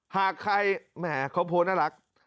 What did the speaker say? หากใครแหมเขาโพสต์น่ารัก